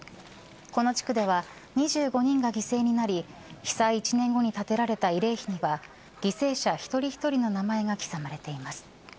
この地区では２５人が犠牲になり被災１年後に立てられた慰霊碑には犠牲者一人一人の名前が刻まれています。